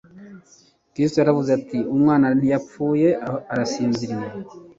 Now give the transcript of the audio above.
Kristo yaravuze ati: «umwana ntiyapfuye arasinziriye.»